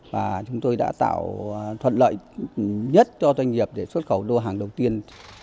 và chúng tôi đã tạo thuận lợi nhất cho doanh nghiệp để xuất khẩu lô hàng đầu tiên